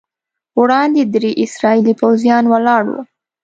وړاندې درې اسرائیلي پوځیان ولاړ وو.